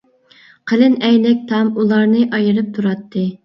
قېلىن ئەينەك تام ئۇلارنى ئايرىپ تۇراتتى.